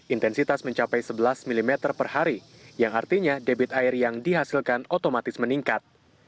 intensitas mencapai sebelas mm per hari yang artinya debit air yang dihasilkan otomatis meningkat